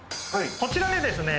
こちらにですね